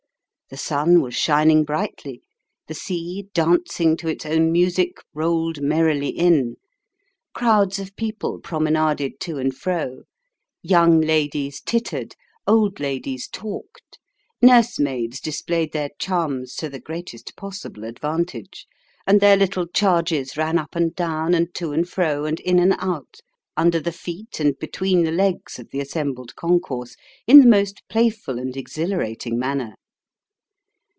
The sun was shining brightly ; the sea, dancing to its own music, rolled merrily in ; crowds of people promenaded to and fro ; young ladies tittered ; old ladies talked ; nursemaids displayed their charms to the greatest possible advantage ; and their little charges ran up and down, and to and fro, and in and out, under the feet, and between the legs, of the assembled concourse, in the most playful and exhilarating manner.